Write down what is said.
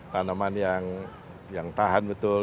tanaman yang tahan betul